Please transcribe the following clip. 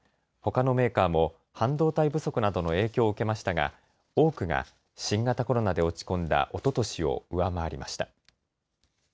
ほかのメーカーも半導体不足などの影響を受けましたが多くが新型コロナで落ち込んだおととしを上回りました。